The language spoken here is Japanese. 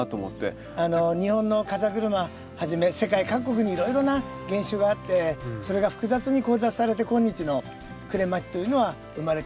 日本の風車はじめ世界各国にいろいろな原種があってそれが複雑に交雑されて今日のクレマチスというのは生まれてます。